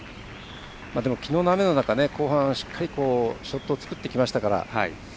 でもきのうの雨の中後半、しっかりショットを作ってきましたから。